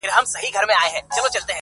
• پرسکروټو به وروړمه د تڼاکو رباتونه -